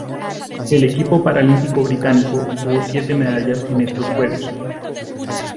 El equipo paralímpico británico obtuvo siete medallas en estos Juegos.